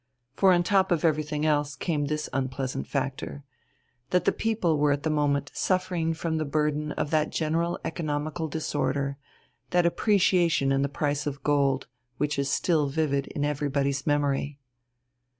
For on the top of everything else came this unpleasant factor, that the people were at that moment suffering from the burden of that general economical disorder, that appreciation in the price of gold, which is still vivid in everybody's memory.